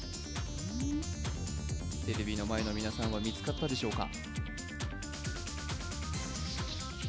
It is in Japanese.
テレビの前の皆さんは見つかったでしょうか？